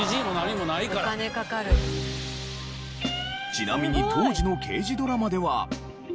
ちなみに当時の刑事ドラマでは。